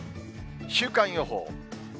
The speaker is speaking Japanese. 週間予報。